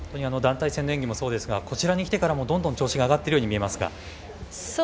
団体戦の演技もそうですがこちらに来てからもどんどん調子が上がっているように見えますが。